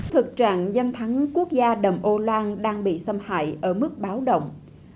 thực trạng danh thắng quốc gia đầm ô lan đang bị xâm hại ở mức báo động